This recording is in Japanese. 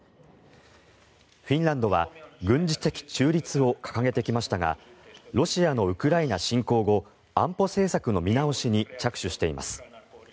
フィンランドは軍事的中立を掲げてきましたがロシアのウクライナ侵攻後安保政策の見直しに着手しています。